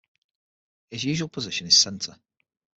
His usual position is centre.